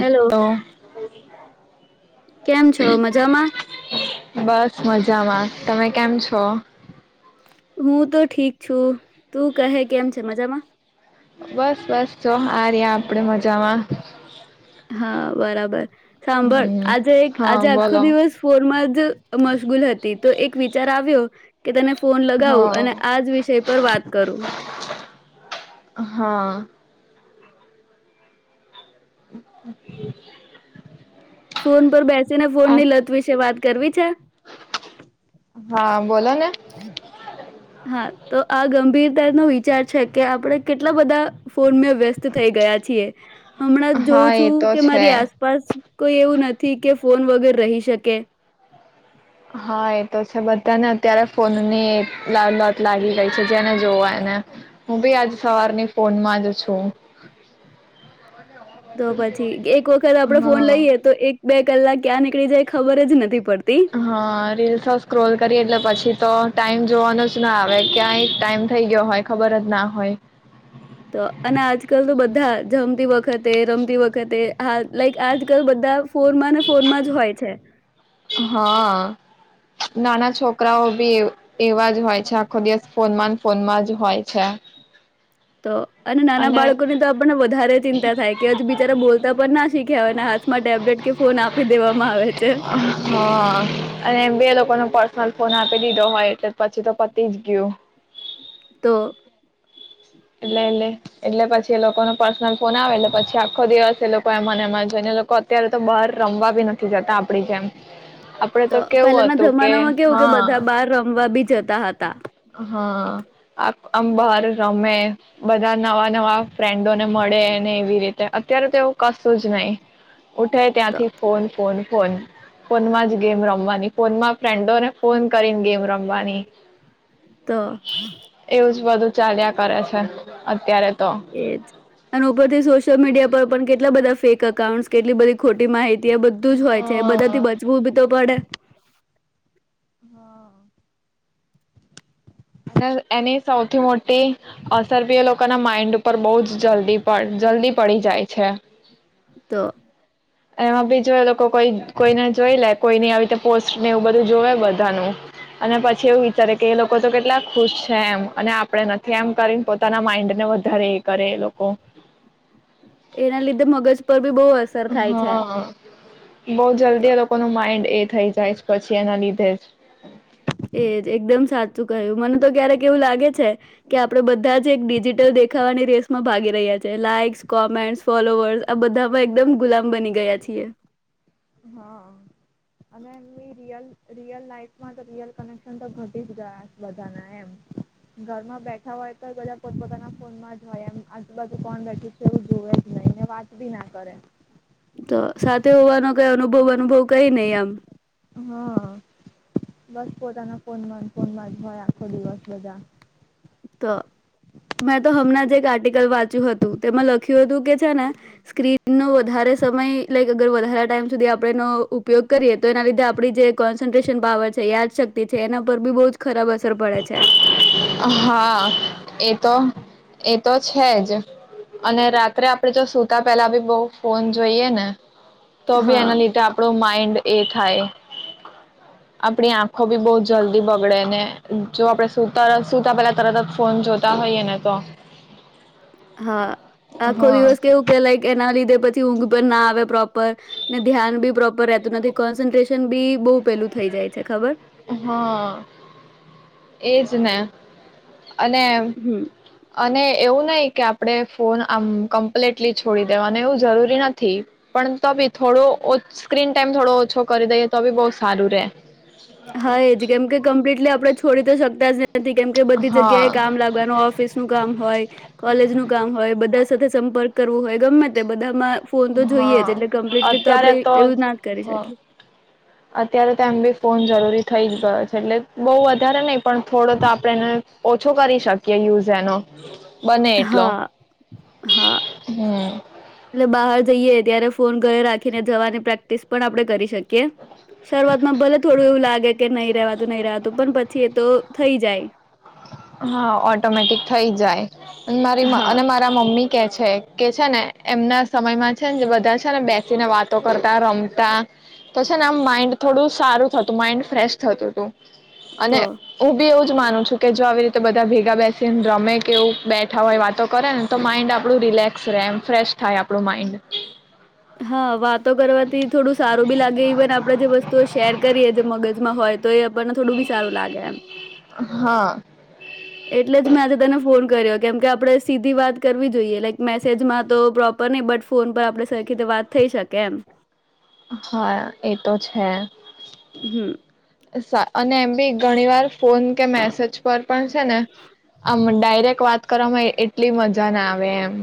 Hello તો. કેમ છો મજામાં? બસ મજામાં તમે કેમ છો? હું તો ઠીક છું તું કહે કેમ છે મજામાં. બસ બસ જો આ રહ્યા આપડે મજામાં. હા બરાબર સાંભળ હમ આજે એક હા આજે આખો બોલો દિવસ ફોરમાં જ મશગુલ હ તો એક વિચાર આવ્યો. કે તેને ફોન લગાવું હા અને આ જ વિષય પર વાત કરું. હા. [unintelligible] ફોન પર બેસીને આ ફોનની લત વિશે વાત કરવી છે. હા બોલો ને હા તો આ ગંભીર તેનુ વિચાર છે કે આપડણે કેટલા બધા ફોનમાં વ્યસ્ત થઈ ગયા છીએ. હમણાં જ હા જોઉં એ છું તો કે છે મારી આસપાસ કોઈ એવું નથી કે ફોન વગર રહી શકે. હા એ તો છે બધા ને અત્યારે ફોન ની લ લત લાગી ગઈ છે જેને જોવાયને હું બી આજે સવારની ફોનમાં જ છું. તો પછી એક વખત આપડો ફોન હા લઈએ તો એક બે કલાક ક્યાં નીકળી જાય ખબર જ નથી પડ હા રીલસ સ્ક્રોલ કરી એટલે પછી તો ટાઈમ જોવાનો જ ના આવે ક્યાંય ટાઈમ થઈ ગયો હોય ખબર જ ના હોય. તો અને આજકાલ તો બધા જમતી વખત વખતે રમતી વખતે હા લાઈક આજકાલ બધા ફોરમાં ને ફોર માં જ હોય છે. હા નાના છોકરાઓ બી એ એવા જ હોય છે આખો દિવસ ફોનમાં ફોનમાં જ હોય છે. તો. અને નાના બાળકોની તો આપણને વધારે ચિંતા થાય કે હજુ બિચારા બોલતા પણ ના શીખે હવે એન હાથ છે હા અને બે લોકો ન પર્સ ફોન આપી દીધો હોય એટલે પછી તો પતી જ ગયું. તો. એટલે, એટલે, એટલે પછી એ લોકોને પર્સનલ ફોન આવે એટલે પછી, આખો દિવસ તે લોકો એ મને એમાં છેને લોકો અત્યારે તો બહાર રમવા બી નથી જતા આપડી જેમ આપડે તો કેવું પહેલાના હતું કે જમાનામાં કેવું કે હા બધા બાર રમવા બી જતા હતા. હા આમ બાર રમે બધા નવા નવા ફ્રેન્ડો ને મળે ને એવી અત્યારે તોવું કશું જ નહીિ ઉઠે તો ત્યાંથી ફોન ફોન ફોન ફોનમાં જ ગેમ રમવાની ફોનમાં ફ્રેન્ડોને ફોન કરીને ગેમ રમવાની તો એવું બધું ચાલ્યા કરે છે અત્યારે, તો એજ અન ઉપરથી સોશિયલ મીડિયા પર પણ કેટલા બધા ફેક અકાઉન્ટસ કેટલી બધી ખોટી માહિતી ત્યા બધું જ હોય છે એ બધા હા, થી બચવું બી તો પડે હા એની સૌથી મોટી અસર બી એ લોકોના માઇન્ડ ઉપર બહ જ જલ્દી જલ્દી પડી જાય છે તો. એમાં બી જો એ લોકો કોઈને જોઈ લે કોઈની આવી રીતના પોસ્ટ ને એવું બધું જોવે બધાનુ અને પછી એવું વિચારે કે એ લોકો તો કેટલાક ખુશ છે એમ અને આપણે નથી એમ કરીને, પોતાના માઈન્ડને વધારે એ કરે એ લોકો. એના લીધે મગજ પર બી બહુ અસર થાય છે. હા બહુ જલ્દી તો એ લોકોનું માઇન્ડ એ થઈ જાય પછી એના લીધે જ એજ એકદમ સાચું કહ્યું મને તો ક્યારેક એવું લાગે છે કે આપડે બધા જ એક ડિજિટલ દેખાવાની રેસ માં ભાગી રહ્યા છે લાઈક્સ કોમેન્ટ્સ ફોલોવર્સ આ બધામાં એકદમ ગુલામ બની ગયા છીએ. હા અને એમની રલ રિયલ લાઈફમાં તો રિયલ કનેક્શન તો ઘટી જ ગયા બધાના એમ ઘરમાં બેઠા હોય તો બધા પોતપોતાના ફોનમાં જ હોય એમ આજુબાજુ કોણ બેઠું છે, એવું જોવે જ નહી ને વાત બી ના કરે. તો સાથે હોવાનો કઈ અનુભવ અનુભવ કઈ નહી આમ. હા બસ પોતાના ફોનમાં ફોનમાં ભ આખો દિવસ બધા. તો મેં તો હમણાં જે એક આર્ટિકલ વાંચ્યું હતું તેમાં લખ્યું હતું કે છે ને સ્ક્રીન નો વધારે સમય લાઈક અગર વધારે ટાઈમ સુધી આપણે એનો ઉપયોગ કરીએ તો એના લીધે આપણી જે કોન્સન્ટ્રેશન પાવર છે યાદશક્તિ છે એના પર બી બહુ જ ખરાબ સર પડે છે. હા એ તો એ તો છે જ અને રાત્રે આપણેે જો સુતા પેલા બી બહ ફોન જોઈએ ને તો બી હા એના લીધે આપડો માઈન્ડ એ થાય. આપડી આંખો બી બહ જલ્દી બગડે ને જો આપણેે ત સુતા પેલા તરત જ ફોન જોતા હોઈએ ને તો. હા આખો હા દિવસ કેવું કે લાઈક એના લીધે પછી ઊંઘ પન ના આવે પ્રોપ ને ધ્યાન ભી પ્રોપર રહેતું નથી કોનાંત્રેશન બી બહુ પેલું થઈ જાય છે ખબર. હા એજ ને. અને હમ અને એવું નહી કે આપણે ફોન આમ કમ્પ્લીટલી છોડી દેવા અને એવું જરૂરી નથી પણ તો બી થોડો સ્ક્રીન ટાઈમ થોડો ઓછો કરી દઈએ તો બી બહુ સારું રે. હા એ જ કેમ કે કમ્પ્લીટલી આપડે છોડી તો શકતા જ. નથી કેમ કે બધી હા જગ્યા એ કામ લાગવાનું ઓફિસ નું કામ હોય કોલેજ નું કામ હોય બધા સાથે સંપર્ક કરવું હોય ગમે તે બધામાં. ફોન તો જોઈએ હા જ એટલે કમ્પ્લીટલી તો આપણેે એવું ના કરી હા શકીએ અત્યારે તો એમ બી ફોન જરૂરી થઈ જ ગયો છે એટલે બહુ વધારે નઈ પણ થોડો તો આપણે એને. ઓછો કરી શકીએ યુઝ એનો બને એટલો હા હા હમ એટલે બહાર જઈએ ત્યારે ફોન ઘરે રાખીને જવાની પ્રેક્ટિસ પણ આપણે કરી શકીએ શરૂઆતમાં ભલે થોડું એવું લાગે કે નહી રેવતુ નહી રેવાતુ પણ પછી એ તો થઈ જાય હા ઓટોમેટિક થઇ જાય મારી હા અને મારા મમ્મી કે છે કે છે ને એમના સમયમાં છે ને જે બધા છે ને બેસીને વાતો કરતા રમતા તો છે ને આમ માઈન્ડ થોડું સારું થતું માઈન્ડ ફ્રેશ થતું હતું અને તો ઉ બી એવુંજ માનું છું કે જો આવી રીતે બધા ભેગા બેસીને રમે કે એવું બેઠા હોય વાતો કરે ને તો માઇન્ડ આપણું રિલેક્સ રહે એમ ફ્રેશ થાય આપણું માઇન્ડ હા વાતો કરવાથી થોડું સારું બી લાગે ઇવન આપણેે જે વસ્તુઓ શેર કરીએ જે મગજમાં હોય તો એ થોડું બી સારું લાગે હા એટલે જ મે આજે તને ફોન કર્યો કેમ કે આપણે સીધી વાત કરવી જોઈએ લાઈક મેસેજમાં તો પ્રોપર નહી બટ ફોન પર આપણે સરખી રીતે વાત થઈ શકે એમ હા એ તો છે હમ અને એમ બી ઘણી વાર ફોન કે મેસેજ પર પણ છે ને આમ ડાયરેક્ટ વાત કરવામાં એટલી મજા ના આવે એમ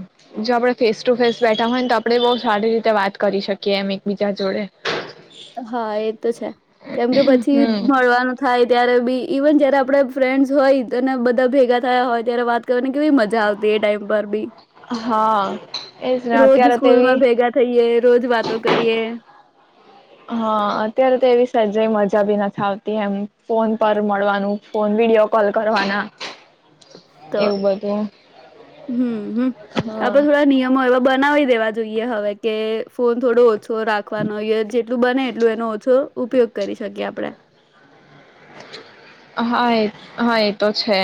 જો આપડણે ફેસ ટુ ફેસ બેઠા હોય ને તો આપડે બહુ સારી રીતે વાત કરી શકીએ એમ. બીજા જોડે હા એ તો છે કેમ કે પછી હમ મળવાનું થાય. ત્યારે બી ઇવન જયારે આપડ ફ્રેન્ડસ હોય અનેને બધા ભેગા થયા હોય ત્યારે, વાત કરવાને કેવી મજા આવતી એ ટાઈમ પર બી હા. એજ ને રોજ અત્યારે તો એવી સ્કૂલમાં ભેગા થઈએ રોજ વાતો કરીએ હા અત્યારે તો એવી સજાઈ મજા બી નથી આવતી એમ ફોન પર મળવાનું ફોન વિડીિયો કોલ કરવાના તો એવું બધું હમ હમ આપડે હા થોડા નિયમો એવા બનાવી દેવા જોઈએ હવે કે ફોન થોડો ઓછો ઓછો રાખવાનો ય જેટલું બને એટલું એનો ઓછો ઉપયોગ કરી શકીએ આપણેે. હા એ હા એ તો છે.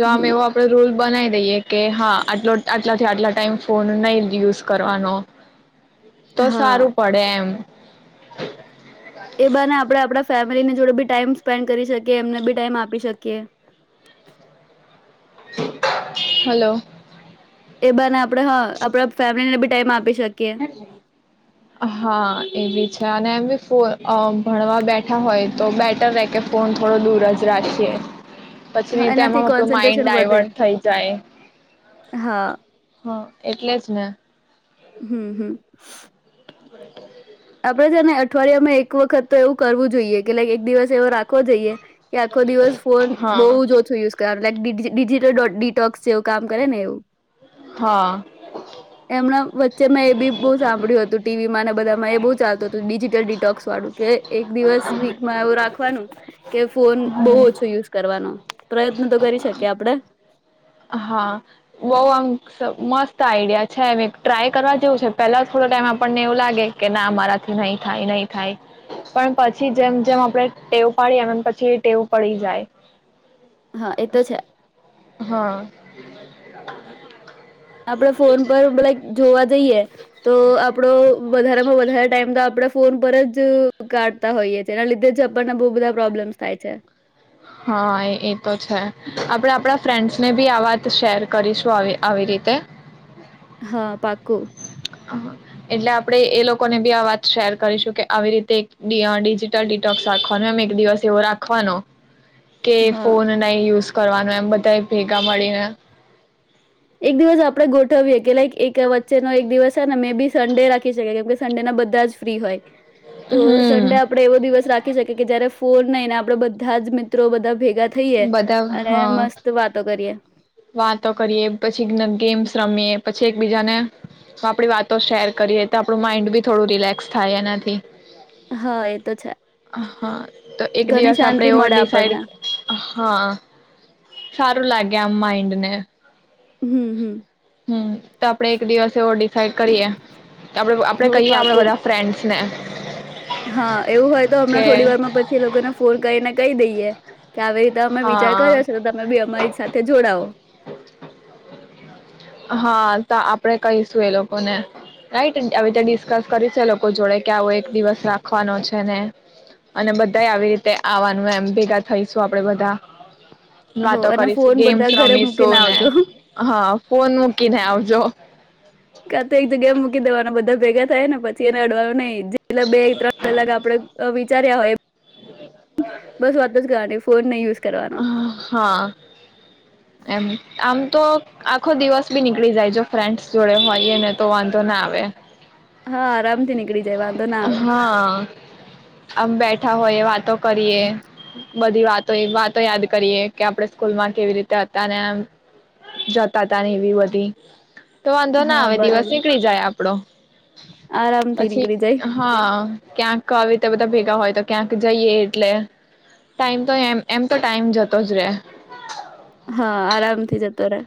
જમ હમ એવો આપડે રૂલ બનાવી દઈએ કે હા આટલો આટલાથી આટલા ટાઈમ ફોન નહી યુઝ કરવાનો. તો હા સારું પડે એમ. [inaudible] એ બ ને આપડે આપડા ફેમિલીની જોડે બી ટાઈમ સ્પેન્ડ કરી શકીએ એમને બી ટાઈમ આપી શકીએ. હલો. એ બને આપે હા આપડે ફેમિલી ને બી ટમ આપી શકીએ હા એ બી છે અને એમ ફ ભણવા બેઠા હોય તો બેટર રહેે કે ફોન થોડો દૂર જ રાખીએ. પછી એનાથી તેમાં આપણું માઈન્ડ કોન્સન્ટ્રેશન વધે ડાયવર્ટ થઈ જાય હા હ. એટલે જ ને. હમ હમ. [inaudible] [inaudible] આપડે છે ને અઠવાડિયામાં એક વખત તો એવું કરવું જોઈએ કે એક દિવસ એવો રાખવો જોઈએ કે આખો દિવસ ફોન હા બઉુ ઓછો યુઝ કર લકિજિટલિટોક્સ જેવું કામ કરે ને એવું. હા એમના વચ્ચે મેં એ બી બહ સાંભળ્યું હતું ટીવીમાં બધા બુ ચાલત હતું ડિજિટલ ડિટોક્સ વાળું કે એક દિવસ વીકમાં એવું રાખવાનું કે ફોન બહ હમ ઓછો યુઝ કરવાનો. પ્રયત્ન તો કરી શકીએ આપડે. હા બઉ આમ મસ્ત આઈડિયા છે ટ્રાય કરવા જેવું છે પેલા થોડો ટાઈમ આપણને એવું લાગે કે ના અ મારાથી નહી થાય નહી થાય પણ પછી જેમ જેમ આપણે ટેવ પાડી એમમ પછી ટેવ પડી જાય હા એતો છે. હા. આપણે ફોન પરલાક જોવા જઈએ તો આપડો વધારામાં વધારે ટાઈમ તો આપણે ફોન પર જ કાઢતા હોઈએ એના લીધે જ આપણને બહુ બધા પ્રોબ્લેમ્સ થાય છે. હા એ તો છે આપડે આપણા ફ્રેન્ડ્સ ને ભી આ વાત શેર કરીશું આવી રીતે હા પાકું. એટલે આપણે એ લોકોને બી આ વાત શેર કરીશું કે આવી રીતે એક ડિજિટલ ડિટોક્સ રાખવાનું એમ એક દિવસ એવો રાખવાનો કે હા ફોન નહી યુઝ કરવાનું એમ બધાએ ભેગા મળીને એક દિવસ આપણે ગોઠવીએ કે લાઈક એક વચ્ચેનો એક દિવસ છે ને મે બી સન્ડે રાખી શકીએ કેમ કે સન્ડે ના બધા જ ફ્રી હોય. તો હમ સન્ડે આપણે એવો દિવસ રાખી શકીએ કે જયારે ફોન નઈ ને આપણે બધાં જ મિત્રો બધાં ભેગ ગા થઈએ. બધા અને હા મસ્ત વાતો કરીએ. વાતો કરીએ, પછી ગેમ્સ રમીએ પછી, એકબીજાને આપણી વાતો શેર કરીએ, તો આપણું માઈન્ડ બી થોડું રિલેક્સ થાય એનાથી હહ એ તો છે હહ તો એક ઘણી દિવસ શાંતિ આપણેે એવો મળે આપણને ડિસાઈડ હહ સારું લાગે. કે આમ માઈ ઈન્ડને હમ હમ હમ તો આપણે એક દિવસ એવો ડિસાઇડ કરીએ આપડે આપડે કહીએ આપડે બધા ફ્રેન્ડસને હહ એવું હોય તો હમણાં, થોડીવારમાં પછી એ લોકોને ફોન કરીને કહી દઈએ. કે આવી રીતે અમે વિચાર હા કર્યો છે તો તમે બી અમારી સાથે જોડાવો હા તો આપણે કહીશું એ લોકોને રાઈટ આવી રીતે ડિસ્કસ કરીશું એ લોકો જોડે કે આવો એક દિવસ રાખવાનો છે. ને અને બધા આવી રીતે આવવાનું એમ ભેગા થઈશું આપણે બધાં હો વાતો અને કરીશું, ફોન ગેમ્સ બધા ઘરે મૂકીને રમીશું ને આવજો હહ ફોન કીને આવજો કાતે એક તો ગેમ મૂકી દેવાના બધાં ભેગા થાયને પછી એને અડવાનું નઈ જેટલા બે ત્રણ કલાક આપણે વિચાર્યા હોય બસ વાત જ કરવાની ફોન નહીં યુસ હા એમ આમ તો આખો દિવસ બી નીકળી જાય જો ફ્રેન્ડ્સ જોડે હોઈએ ને તો વાંધો ના આવે હા આરામ થી નીકળી જાય વાંધ હા આમ બેઠા હોય વાત તો કરીએ બધી વાતો વાતો યાદ કરીએ કે આપણેે સ્કૂલમાં કેવી રીતે હતા ને એમ, જતાતા ને એવી બધી. તો વાંધો ના હા આવે દિવસ બરાબર નીકળી જાય આપ પણો. આરામથી નીકળી જા હા. ક્યાંક આવી રીતે બધા ભેગા હોય તો ક્યાંક જઈએ એટલે, ટાઈમ તો એમે એમ તો ટાઈમ જતો જ રે. હા આરામથી જતો રે.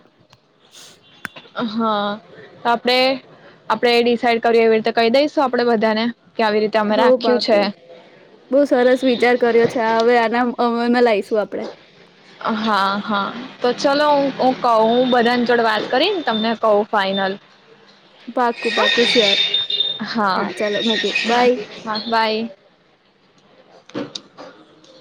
હા, તો આપડે આપડે ડિસઇડ કર્યું એવી રીતે કહી દઈશું આપડે બધાને. કે આવી રીતે અમે હઉ રાખ્યું છે પાક્કું, બઉ સરસ વિચાર કર્યો છે આ હવે આના અ એમાં લાઈશું આપડે. હા હા તો ચલો હું હું કહું હું બધાની જોડ વાત કરીને તમને કહું ફાઈનલ. પાક્કું પાક્કું શ્યોર, હા ચાલો મુકું હા બાય. હા બાય [inaudible]